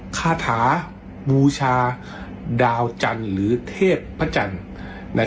ขนาดที่อีกหนึ่งท่านอันนี้แบบมาแนวฉีก